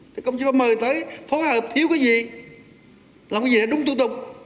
thì công chí phải mời tới phó hợp thiếu cái gì làm cái gì để đúng thủ tục